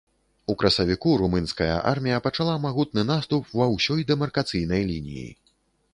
У красавіку румынская армія пачала магутны наступ ва ўсёй дэмаркацыйнай лініі.